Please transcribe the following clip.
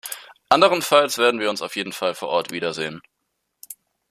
Anderenfalls werden wir uns auf jeden Fall vor Ort wiedersehen.